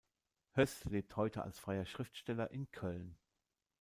Höss lebt heute als freier Schriftsteller in Köln.